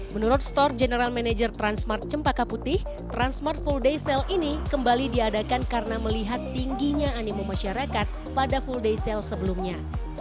menurut store general manager transmart cempaka putih transmart full day sale ini kembali diadakan karena melihat tingginya animum masyarakat pada full day sale sebelumnya